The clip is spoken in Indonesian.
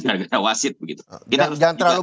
warga wasit begitu jangan terlalu